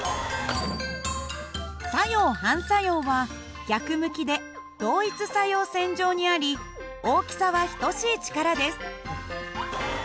作用・反作用は逆向きで同一作用線上にあり大きさは等しい力です。